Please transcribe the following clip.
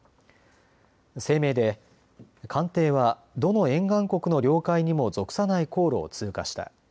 声明で艦艇はどの沿岸国の領海にも属さない航路を通過した。